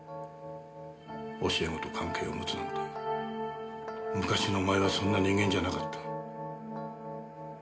教え子と関係を持つなんて昔のお前はそんな人間じゃなかった。